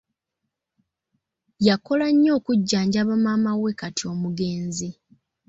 Yakola nnyo okujjanjaba maama we kati omugenzi.